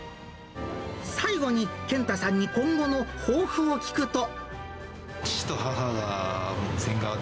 最後に健太さんに今後の抱負を聞くと。